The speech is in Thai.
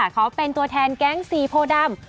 เขาเป็นตัวแทนแก๊งซีโพดำ